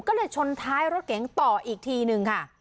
ก็เลยชนท้ายรถเก๋งต่ออีกทีนึงค่ะ